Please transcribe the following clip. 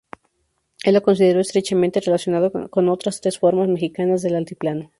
Él lo consideró estrechamente relacionado con otras tres formas mexicanas del altiplano.